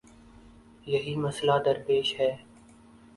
یہی مسئلہ درپیش ہے۔